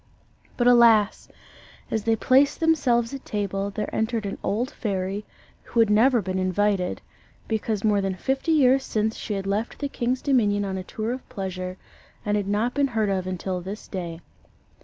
But alas! as they placed themselves at table, there entered an old fairy who had never been invited, because more than fifty years since she had left the king's dominion on a tour of pleasure, and had not been heard of until this day.